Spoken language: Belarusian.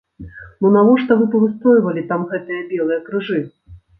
Ну навошта вы павыстройвалі там гэтыя белыя крыжы?